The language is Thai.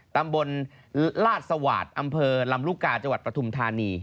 ตำบลลาสวาสอำเภอลำลูกกาประธุมธานี